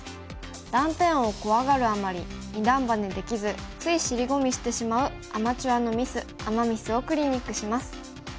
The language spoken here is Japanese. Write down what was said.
断点を怖がるあまり二段バネできずつい尻込みしてしまうアマチュアのミスアマ・ミスをクリニックします。